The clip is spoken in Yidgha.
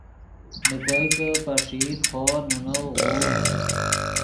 نے کوئے کہ پݰئیت خوو نے نؤ غوؤ